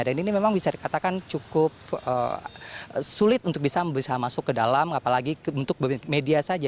dan ini memang bisa dikatakan cukup sulit untuk bisa masuk ke dalam apalagi untuk media saja bisa melambatkan izin bisa masuk ke dalam mrt